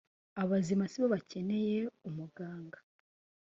abazima si bo bakeneye umuganga